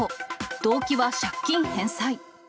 動機は借金返済。